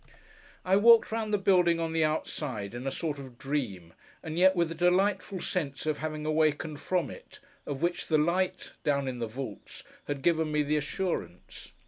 I walked round the building on the outside, in a sort of dream, and yet with the delightful sense of having awakened from it, of which the light, down in the vaults, had given me the assurance.